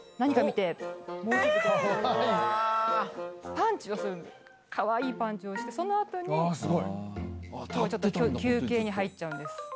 パンチをするんですかわいいパンチをしてその後に休憩に入っちゃうんです。